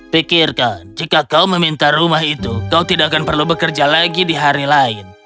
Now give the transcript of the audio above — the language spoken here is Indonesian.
pikirkan jika kau meminta rumah itu kau tidak akan perlu bekerja lagi di hari lain